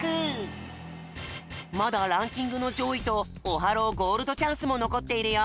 まだランキングのじょういとオハローゴールドチャンスものこっているよ。